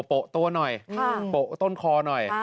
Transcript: โปะตัวหน่อยโปะต้นคอหน่อย